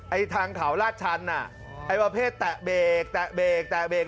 ไอ้ทางขาวราชชันอ่ะไอวะเผศแตะเบรกแตะเบรก